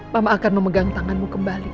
mama akan memegang tanganmu kembali